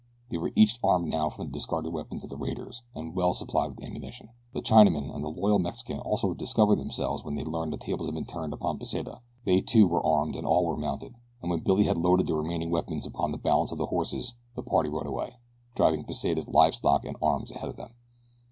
They were each armed now from the discarded weapons of the raiders, and well supplied with ammunition. The Chinaman and the loyal Mexican also discovered themselves when they learned that the tables had been turned upon Pesita. They, too, were armed and all were mounted, and when Billy had loaded the remaining weapons upon the balance of the horses the party rode away, driving Pesita's live stock and arms ahead of them.